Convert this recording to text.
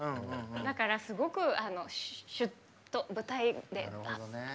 だからすごくシュッと舞台で輝くわ。